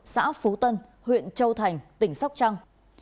xã phú tân huyện châu thành tỉnh sóc trăng